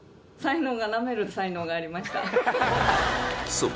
そう！